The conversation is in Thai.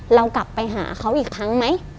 เรากลับไปหาเขาอีกครั้งไหม